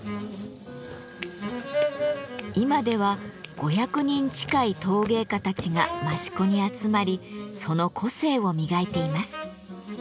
今では５００人近い陶芸家たちが益子に集まりその個性を磨いています。